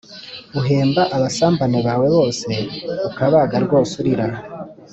uhemba abasambane bawe bose ukabag rwoseurira